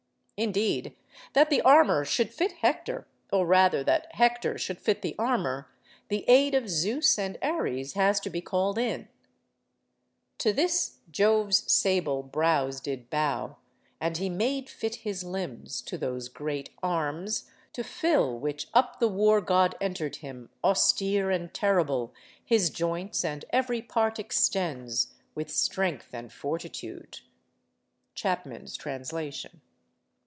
Indeed, that the armour should fit Hector, or rather that Hector should fit the armour, the aid of Zeus and Ares has to be called in— To this Jove's sable brows did bow; and he made fit his limbs To those great arms, to fill which up the war god enter'd him Austere and terrible, his joints and every part extends With strength and fortitude.—Chapman's Translation.